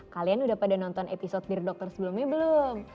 kalian udah pada nonton episode dear doctor sebelumnya belum